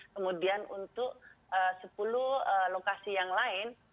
kemudian untuk sepuluh lokasi yang lain